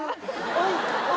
おい！